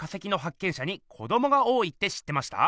しゃに子どもが多いって知ってました？